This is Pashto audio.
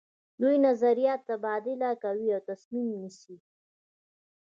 دوی نظریات تبادله کوي او تصمیم نیسي.